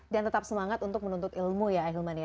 dan tetap semangat untuk menuntut ilmu ya ahilman ya